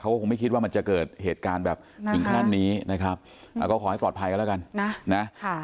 ก็คงไม่คิดว่ามันจะเกิดเหตุการณ์แบบถึงขั้นนี้นะครับก็ขอให้ปลอดภัยกันแล้วกันนะนะ